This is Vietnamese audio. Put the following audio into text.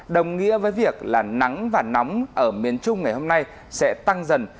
đồng nghĩa với việc là nắng và nóng ở miền trung ngày hôm nay sẽ tăng dần